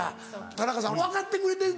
田中さん分かってくれてるんだ？